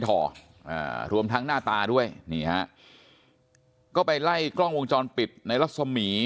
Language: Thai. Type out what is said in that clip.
อ่ารวมทั้งหน้าตาด้วยนี่ฮะก็ไปไล่กล้องวงจรปิดในรัศมี